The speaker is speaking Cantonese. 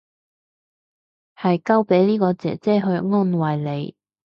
係交俾呢個姐姐去安慰你